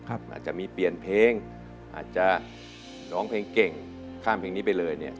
อาจจะมีเปลี่ยนเพลงอาจจะร้องเพลงเก่งข้ามเพลงนี้ไปเลยเนี่ย